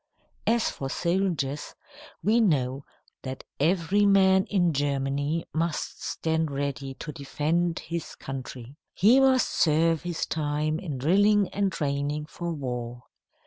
As for soldiers, we know that every man in Germany must stand ready to defend his country. He must serve his time in drilling and training for war.